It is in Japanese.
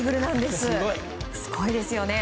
すごいですよね。